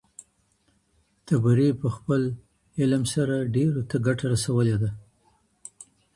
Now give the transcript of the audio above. طبري په خپل علم سره ډیرو ته ګټه رسولي ده.